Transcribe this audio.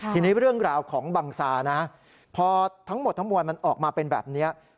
ทีนี้เรื่องราวของบังซานะพอทั้งหมดทั้งมวลมันออกมาเป็นแบบนี้